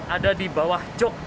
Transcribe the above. ada di bawah jok